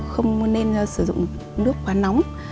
không nên sửa dụng nước quá nắng